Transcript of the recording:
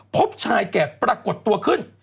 พบชายแก่ปรากฏตัวขึ้น